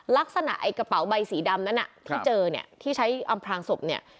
ลักษณะไอ้กระเป๋าใบสีดำนั้นที่เจอเนี่ยที่ใช้อำพลางศพเนี่ย